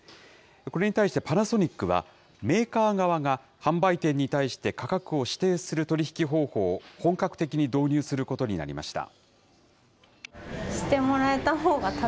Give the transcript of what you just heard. これに対してパナソニックは、メーカー側が販売店に対して価格を指定する取り引き方法を本格的に導入することになりました。